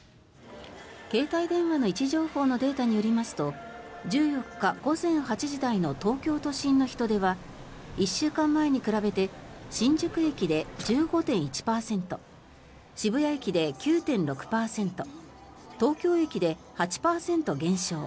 携帯電話の位置情報のデータによりますと１４日午前８時台の東京都心の人出は１週間前に比べて新宿駅で１５．１％渋谷駅で９．６％東京駅で８％減少。